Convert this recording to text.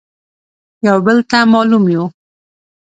يو بل ته مالوم يو.